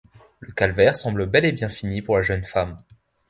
Le calvaire semble bel et bien fini pour la jeune femme.